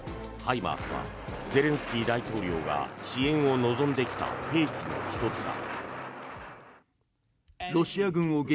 ＨＩＭＡＲＳはゼレンスキー大統領が支援を望んできた兵器の１つだ。